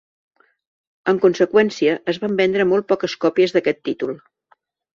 En conseqüència, es van vendre molt poques còpies d'aquest títol.